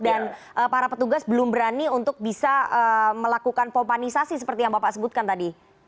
dan para petugas belum berani untuk bisa melakukan pompanisasi seperti yang bapak sebutkan tadi